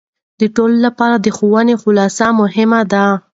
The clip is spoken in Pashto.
د ټولو لپاره د ښوونې خلوص مهم دی.